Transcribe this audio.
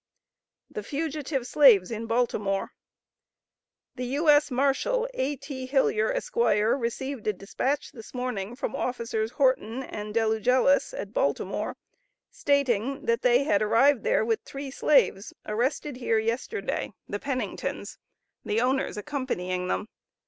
THE FUGITIVE SLAVES IN BALTIMORE. The U.S. Marshal, A.T. Hillyer, Esq., received a dispatch this morning from officers Horton and Dellugelis, at Baltimore, stating, that they had arrived there with the three slaves, arrested here yesterday (the Penningtons), the owners accompanying them.